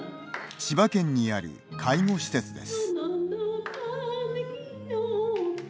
千葉県にある介護施設です。